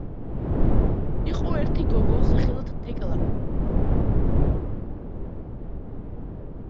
იყო ერთი გოგო სახელად თეკლა